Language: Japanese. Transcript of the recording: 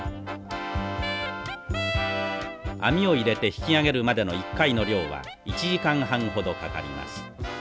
網を入れて引き揚げるまでの一回の漁は１時間半ほどかかります。